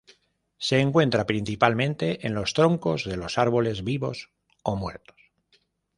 Se encuentra principalmente en los troncos de los árboles, vivos o muertos.